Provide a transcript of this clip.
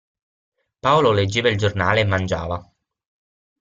Paolo leggeva il giornale e mangiava.